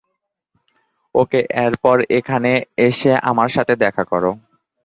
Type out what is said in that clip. ওকে, এরপর এখানে এসে আমার সাথে দেখা করো।